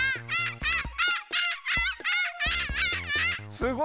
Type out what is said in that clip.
すごいね。